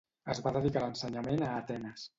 Es va dedicar a l'ensenyament a Atenes.